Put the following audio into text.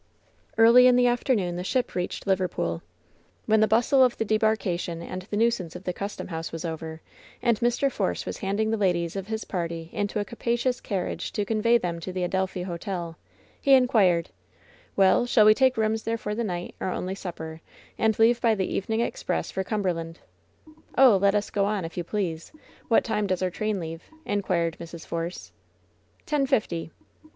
Early in the afternoon the ship reached Liverpool When the bustle of the debarkation and the nuisance of the custom house was over, and Mr. Force was hand ing the ladies of his party into a capacious carriage to convey them to the Adelphi Hotel, he inquired : "Well, shall we take rooms there for the night, ot only supper, and leave by the evening express for Cum berland T "Oh, let us go on, if you please I What time does our train leave V^ inquired Mrs. Force. "Ten fifty."